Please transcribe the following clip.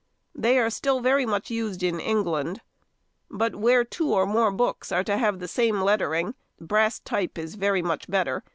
They are still very much used in England, but where two or more books are to have the same lettering, brass type is very much better.